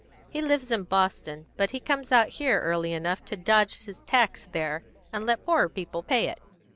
He lives in Boston, but he comes out here early enough to dodge his tax there, and let poorer people pay it.